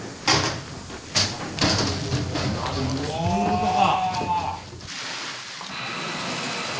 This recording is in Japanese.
なるほどそういうことか。